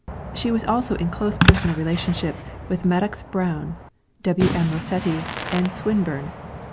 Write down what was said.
She was also in close personal relationship with Madox Brown, W.M. Rossetti, and Swinburne.